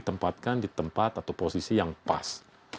kita tempatkan di tempat atau posisi yang pas